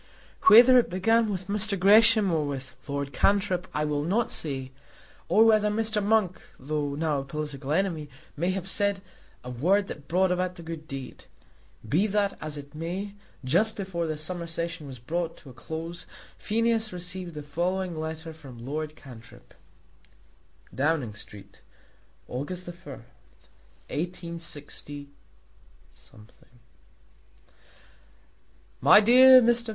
Whether it began with Mr. Gresham or with Lord Cantrip, I will not say; or whether Mr. Monk, though now a political enemy, may have said a word that brought about the good deed. Be that as it may, just before the summer session was brought to a close Phineas received the following letter from Lord Cantrip: Downing Street, August 4, 186 . MY DEAR MR.